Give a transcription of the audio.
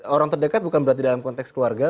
orang terdekat bukan berarti dalam konteks keluarga